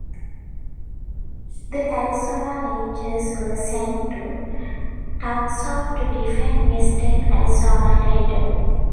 The Arizona Rangers were sent to Tucson to defend western Arizona Territory.